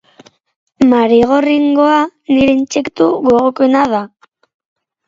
Marigorringoa nire intsektu gogokoena da.